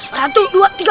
satu dua tiga